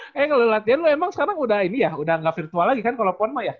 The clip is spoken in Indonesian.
kayaknya kalau lu latihan lu emang sekarang udah ini ya udah enggak virtual lagi kan kalau ponmaya